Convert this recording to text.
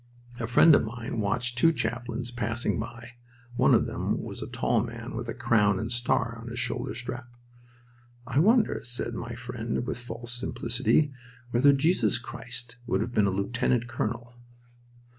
A friend of mine watched two chaplains passing by. One of them was a tall man with a crown and star on his shoulder strap. "I wonder," said my friend, with false simplicity, "whether Jesus Christ would have been a lieutenant colonel?"